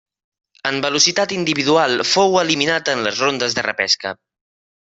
En velocitat individual fou eliminat en les rondes de repesca.